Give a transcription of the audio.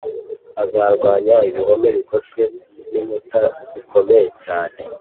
Azarwanya ibihome bigoswe n inkuta zikomeye cyane